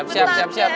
siap siap siap